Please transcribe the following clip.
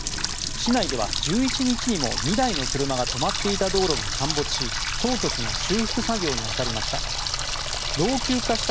市内では１１日にも２台の車が止まっていた道路が陥没し当局が修復作業に当たりました。